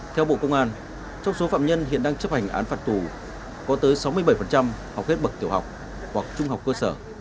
theo bộ công an trong số phạm nhân hiện đang chấp hành án phạt tù có tới sáu mươi bảy học hết bậc tiểu học hoặc trung học cơ sở